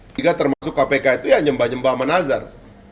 tiga termasuk kpk itu ya nyembah nyembah sama nazar